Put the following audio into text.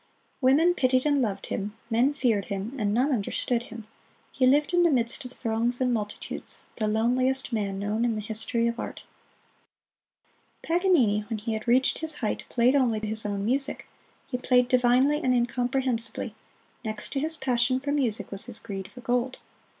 Women pitied and loved him, men feared him, and none understood him. He lived in the midst of throngs and multitudes the loneliest man known in the history of art. Paganini, when he had reached his height, played only his own music; he played divinely and incomprehensibly; next to his passion for music was his greed for gold.